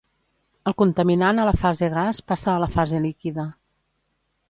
El contaminant a la fase gas passa a la fase líquida.